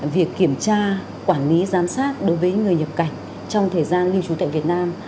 việc kiểm tra quản lý giám sát đối với người nhập cảnh trong thời gian lưu trú tại việt nam